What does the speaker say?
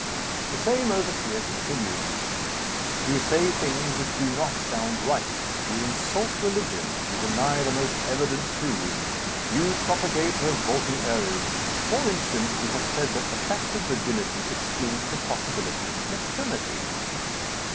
The same overseer continued, "You say things which do not sound right. You insult religion. You deny the most evident truths. You propagate revolting errors. For instance, you have said that the fact of virginity excludes the possibility of maternity."